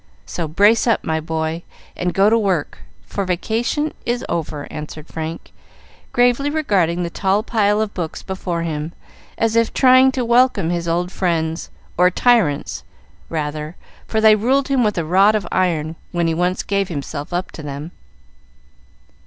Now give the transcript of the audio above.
So brace up, my boy, and go to work, for vacation is over," answered Frank, gravely regarding the tall pile of books before him, as if trying to welcome his old friends, or tyrants, rather, for they ruled him with a rod of iron when he once gave himself up to them.